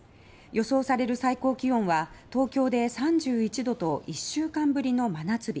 予想される最高気温は東京で３１度と１週間ぶりの真夏日。